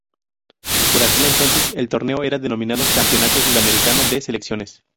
Por aquel entonces el torneo era denominado Campeonato Sudamericano de Selecciones.